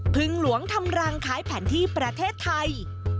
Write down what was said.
พึงหลวงธรรมรังคล้ายแผนที่ประเทศไทย